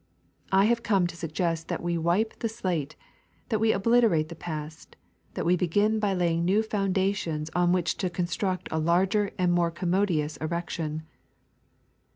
I have come to suggest that we wipe the slate, that we obliterate the past, that we begin by laying new foundations on which to construct a larger and more commodious erection."